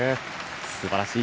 すばらしい。